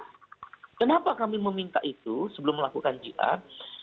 nah kenapa kami meminta itu sebelum melakukan jihad